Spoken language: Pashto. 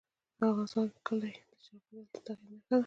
افغانستان کې کلي د چاپېریال د تغیر نښه ده.